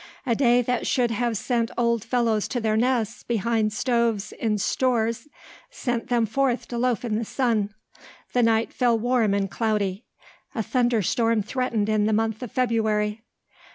A day that should have sent old fellows to their nests behind stoves in stores sent them forth to loaf in the sun. The night fell warm and cloudy. A thunder storm threatened in the month of February.